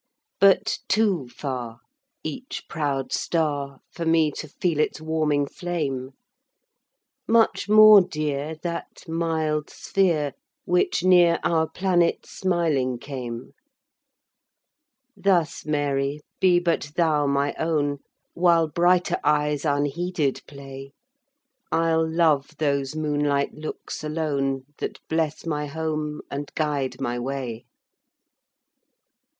But too farEach proud star, For me to feel its warming flame; Much more dear, That mild sphere, Which near our planet smiling came; Thus, Mary, be but thou my own; While brighter eyes unheeded play, I'll love those moonlight looks alone, That bless my home and guide my way.